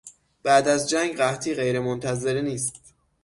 بعد از جنگ قحطی غیر منتظره نیست.